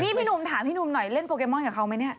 นี่พี่หนุ่มถามพี่หนุ่มหน่อยเล่นโปเกมอนกับเขาไหมเนี่ย